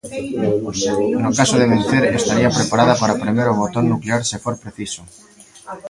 No caso de vencer, estaría "preparada" para premer o 'botón nuclear' se for preciso.